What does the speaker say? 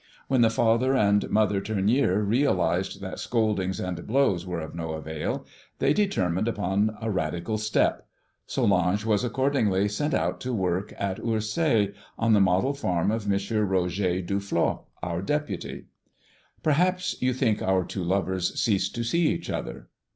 When the father and mother Tournier realized that scoldings and blows were of no avail, they determined upon a radical step. Solange was accordingly sent out to work at Ursay, on the model farm of M. Roger Duflos, our deputy. "Perhaps you think our two lovers ceased to see each other.